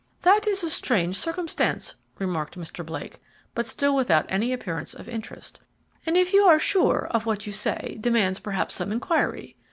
"That is a strange circumstance," remarked Mr. Blake, but still without any appearance of interest, "and if you are sure of what you say, demands, perhaps, some inquiry.